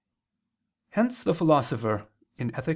"]. Hence the Philosopher (Ethic.